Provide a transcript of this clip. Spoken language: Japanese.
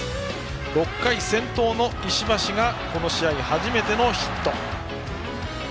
６回、先頭の石橋がこの試合初めてのヒット。